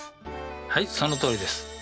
はいそのとおりです。